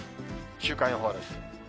週間予報です。